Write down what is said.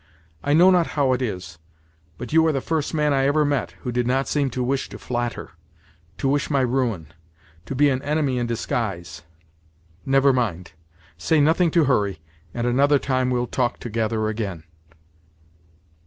I know not how it is but you are the first man I ever met, who did not seem to wish to flatter to wish my ruin to be an enemy in disguise never mind; say nothing to Hurry, and another time we'll talk together again."